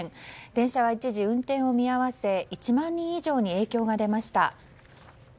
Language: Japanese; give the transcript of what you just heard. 電車は一時運転を見合わせ１万人以上に影響が出ました。